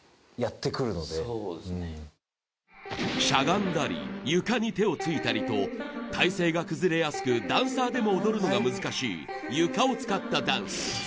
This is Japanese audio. しゃがんだり床に手をついたりと体勢が崩れやすくダンサーでも踊るのが難しい床を使ったダンス。